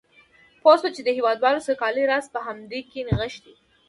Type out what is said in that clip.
پوه شو چې د هېواد سوکالۍ راز په همدې کې نغښتی دی.